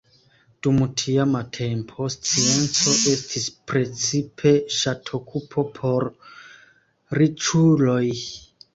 Dum tiama tempo, scienco estis precipe ŝatokupo por riĉuloj.